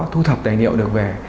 thu thập tài niệm được về